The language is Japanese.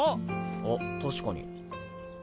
あっ確かに。